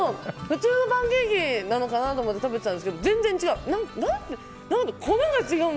普通のパンケーキみたいなのかなって思って食べてたんですけど全然違う。